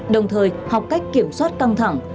đồng thời học cách kiểm soát căng thẳng